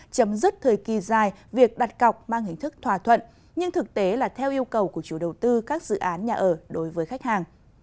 chấm dứt thời kỳ dài việc đặt cọc mang hình thức thỏa thuận nhưng thực tế là theo yêu cầu của chủ đầu tư các dự án nhà ở đối với khách hàng